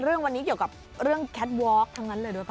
เรื่องวันนี้เกี่ยวกับเรื่องแคทวอล์กทั้งนั้นเลยด้วยป